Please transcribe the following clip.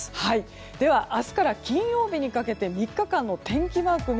明日から金曜日にかけて３日間の天気マークを